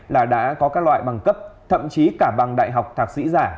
là đã có các loại bằng cấp thậm chí cả bằng đại học thạc sĩ giả